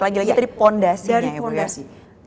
lagi lagi dari fondasinya ya bu yasin